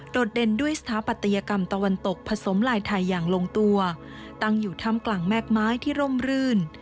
เด่นด้วยสถาปัตยกรรมตะวันตกผสมลายไทยอย่างลงตัวตั้งอยู่ถ้ำกลางแม่กไม้ที่ร่มรื่น